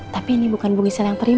tapi ini bukan ibu gisel yang terima